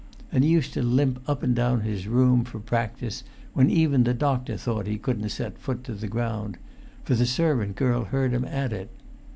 And he used to limp up and down his room, for practice, when even the doctor thought he couldn't set foot to the ground; for the servant girl heard him at it.